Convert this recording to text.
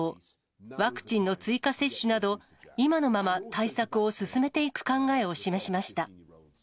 ワクチンの追加接種など、今のまま対策を進めていく考えを示しました。